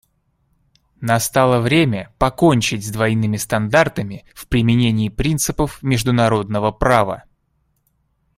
Настало время покончить с двойными стандартами в применении принципов международного права.